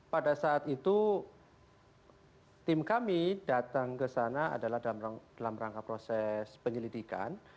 pada saat itu tim kami datang ke sana adalah dalam rangka proses penyelidikan